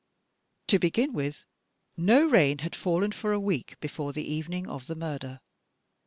To begin with: "No rain had fallen for a week before the evening of the murder."